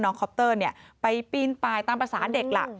คอปเตอร์ไปปีนปลายตามภาษาเด็กล่ะ